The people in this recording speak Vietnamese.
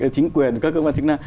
chính quyền các cơ quan chức năng